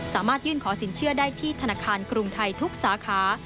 สามารถยื่นขอสินเชื่อได้ที่ธนาคารกรุงไทยทุกสาขา